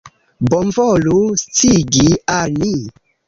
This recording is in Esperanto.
Bonvolu sciigi al ni.